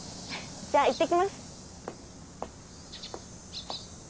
じゃあいってきます。